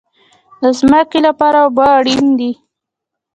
د ځمکې لپاره اوبه اړین دي